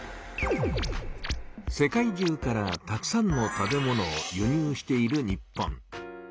世界中からたくさんの食べ物をゆ入している日本。